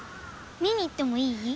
見に行ってもいい？